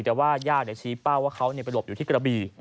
แต่ว่าย่างเนี่ยชี้เป้าว่าเขาเนี่ยไปหลบอยู่ที่กระบี